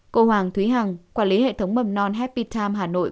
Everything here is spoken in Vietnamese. cô hoàng thúy hằng quản lý hệ thống mầm non happi time hà nội